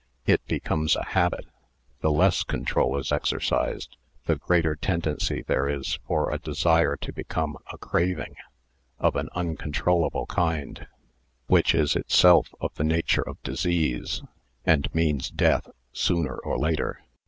It becomes a habit. The less control is exercised the greater tendency there is for a desire to become a craving of an uncontrollable kind, which is itself of the nature of disease, and means death sooner or later."